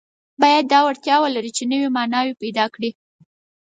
باید دا وړتیا ولري چې نوي معناوې پیدا کړي.